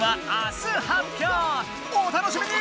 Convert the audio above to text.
お楽しみに！